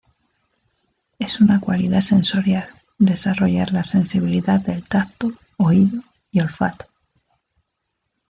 Es una cualidad sensorial, desarrollar la sensibilidad del tacto, oído y olfato.